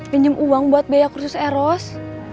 binjem uang buat biaya kursus eros